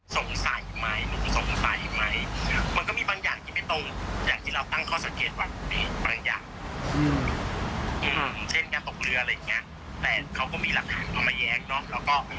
ก็สุดยอดแต่ทางคุณแอนนา